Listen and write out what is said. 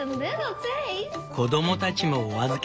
子供たちもお預け。